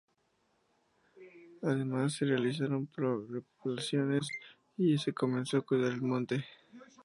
Además se realizaron repoblaciones y se comenzó a cuidar el monte.